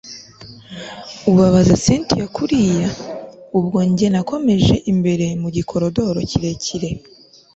ubabaza cyntia kuriya! ubwo njye nakomeje imbere mugikorodoro kirekire